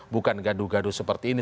bukan gaduh gaduh seperti ini